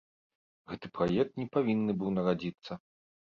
Гэты праект не павінны быў нарадзіцца.